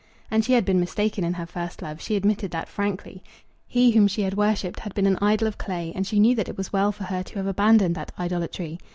And she had been mistaken in her first love. She admitted that frankly. He whom she had worshipped had been an idol of clay, and she knew that it was well for her to have abandoned that idolatry.